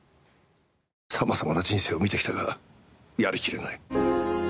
様々な人生を見てきたがやり切れない。